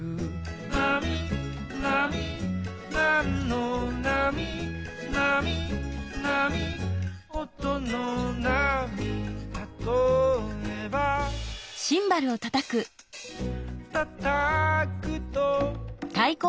「なみなみなんのなみ」「なみなみおとのなみ」「たとえば」「たたくと」